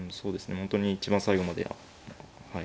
本当に一番最後まではい